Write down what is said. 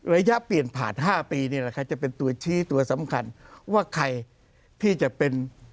ระยะเปลี่ยนผ่าน๕ปีนี่แหละครับจะเป็นตัวชี้ตัวสำคัญว่าใครที่จะเป็น